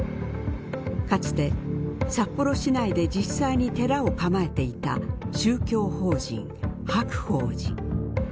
かつて札幌市内で実際に寺を構えていた宗教法人白鳳寺。